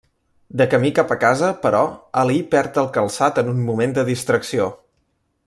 De camí cap a casa, però, Ali perd el calçat en un moment de distracció.